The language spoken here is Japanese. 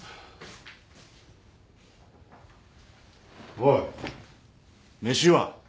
おい飯は？